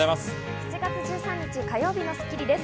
７月１３日、火曜日の『スッキリ』です。